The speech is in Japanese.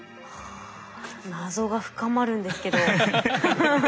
あ謎が深まるんですけど。